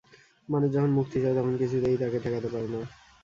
মানুষ যখন মুক্তি চায় তখন কিছুতেই তাকে ঠেকাতে পারে না।